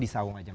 di sawung aja